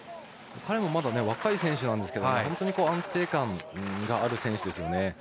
彼もまだ若い選手ですが本当に安定感がある選手ですね。